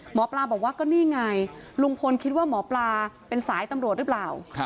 หมอปลาบอกว่าก็นี่ไงลุงพลคิดว่าหมอปลาเป็นสายตำรวจหรือเปล่า